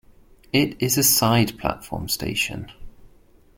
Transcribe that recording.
It is a side-platform station.